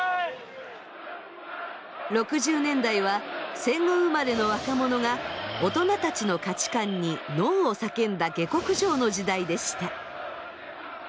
６０年代は戦後生まれの若者が大人たちの価値観にＮＯを叫んだ下克上の時代でした。